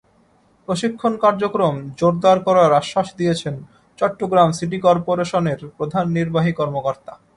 প্রশিক্ষণ কার্যক্রম জোরদার করার আশ্বাস দিয়েছেন চট্টগ্রাম সিটি করপোরেশনের প্রধান নির্বাহী কর্মকর্তা।